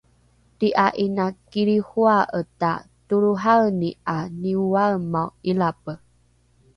ti’a ’ina kilrihoa’eta toloraeni ’a nioaemao ’ilape?